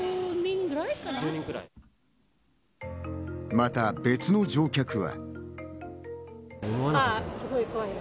また、別の乗客は。